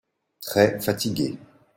Très fatigué.